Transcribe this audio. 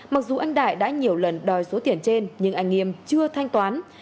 mặc dù anh đại đã nhiều lần đòi số tiền trên nhưng anh nghiêm chưa thanh toán